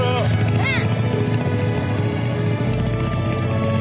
うん！